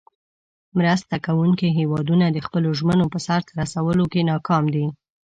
مرسته کوونکې هیوادونه د خپلو ژمنو په سر ته رسولو کې ناکام دي.